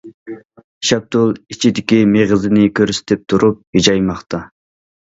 شاپتۇل ئىچىدىكى مېغىزىنى كۆرسىتىپ تۇرۇپ ھىجايماقتا.